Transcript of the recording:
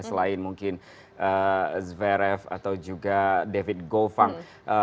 selain mungkin zverev atau juga david govang